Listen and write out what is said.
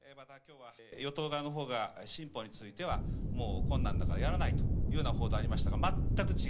与党側のほうが新法については、もう困難だからやらないというような報道がありましたが、全く違